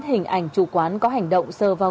hình ảnh chủ quán có hành động sờ vào